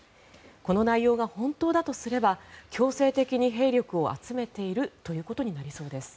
この内容が本当だとすれば強制的に兵力を集めているということになりそうです。